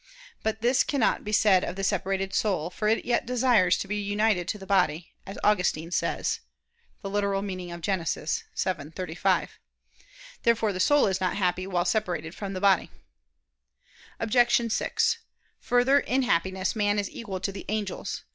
But this cannot be said of the separated soul; for it yet desires to be united to the body, as Augustine says (Gen. ad lit. xii, 35). Therefore the soul is not happy while separated from the body. Obj. 6: Further, in Happiness man is equal to the angels.